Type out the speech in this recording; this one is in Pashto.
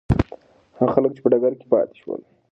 هغه خلک چې په ډګر کې پاتې شول.